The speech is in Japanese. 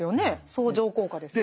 相乗効果ですよね。